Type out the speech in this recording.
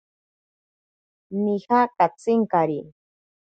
Nija katsinkari.